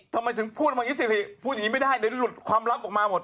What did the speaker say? ทำไมถึงพูดเหมือนซีรีพูดอย่างนี้ไม่ได้เดี๋ยวจะหลุดความลับออกมาหมด